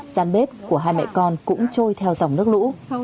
giàn bếp của hai mẹ con cũng trôi theo dòng nước lũ